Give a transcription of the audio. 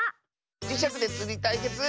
じしゃくでつりたいけつ